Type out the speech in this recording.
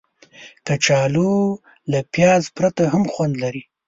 کچالو له پیاز پرته هم خوند لري